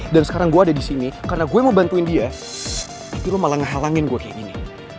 dan sekarang gue ada di sini karena gue mau bantuin dia tapi lo malah ngehalangin gue kayak gini